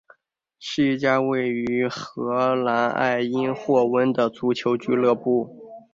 是一家位于荷兰埃因霍温的足球俱乐部。